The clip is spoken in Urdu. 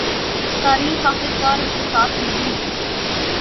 تاریخ آخرکار اس کے ساتھ نہیں ہے